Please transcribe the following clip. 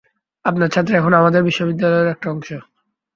আপনার ছাত্রী এখন আমাদের বিশ্ববিদ্যালয়ের একটা অংশ।